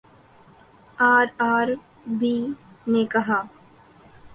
RRB نے کہا